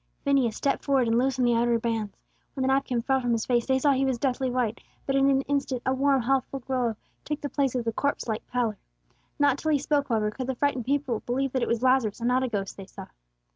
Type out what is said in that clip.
Phineas stepped forward and loosened the outer bands. When the napkin fell from his face, they saw he was deathly white; but in an instant a warm, healthful glow took the place of the corpse like pallor. Not till he spoke, however, could the frightened people believe that it was Lazarus, and not a ghost they saw.